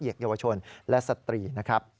เหยียกเยาวชนและสตรีนะครับ